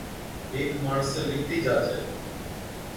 ھيڪ ماڻس لکتي جا ڇَي،